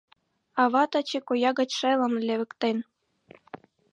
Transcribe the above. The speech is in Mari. Ава таче коя гыч шелым левыктен.